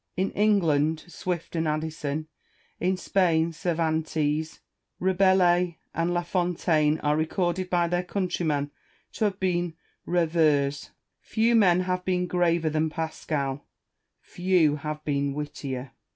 In England Swift and Addison, in Spain Cervantes. Rabelais and La Fontaine are recorded by their countrymen to have been reveurs. Few men have been graver than Pascal] few have been wittier.